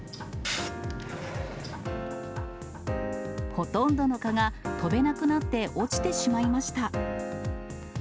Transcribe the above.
ほとんどの蚊が、飛べなくなって落ちてしまいました。